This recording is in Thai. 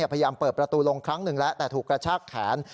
พยายามเปิดประตูลงครั้งหนึ่งแล้วแต่ถูกกระชากแขน